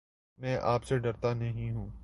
میں آپ سے ڈرتا نہیں ہوں